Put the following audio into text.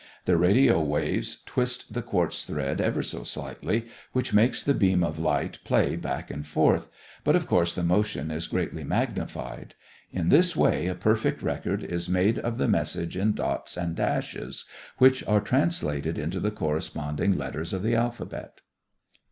The radio waves twist the quartz thread ever so slightly, which makes the beam of light play back and forth, but of course the motion is greatly magnified. In this way a perfect record is made of the message in dots and dashes, which are translated into the corresponding letters of the alphabet.